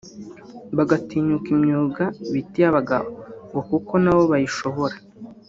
bagatinyuka imyuga bita iy’abagabo ngo kuko nabo bayishobora